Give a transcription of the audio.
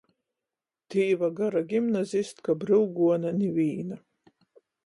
Tīva, gara gimnazistka, bryuguona nivīna!